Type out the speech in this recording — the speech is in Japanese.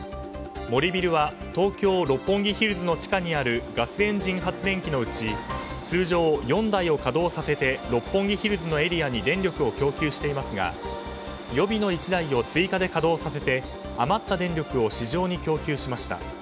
森ビルは東京・六本木ヒルズの地下にあるガスエンジン発電機のうち通常４台を稼働させて六本木ヒルズのエリアに電力を供給していますが予備の１台を追加で稼働させて余った電力を市場に供給しました。